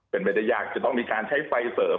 เป็นไปได้ยากจะต้องมีการใช้ไฟเสริม